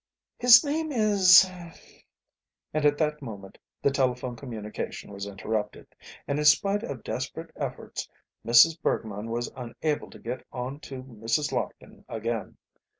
"His name is " and at that moment the telephone communication was interrupted, and in spite of desperate efforts Mrs. Bergmann was unable to get on to Mrs. Lockton again.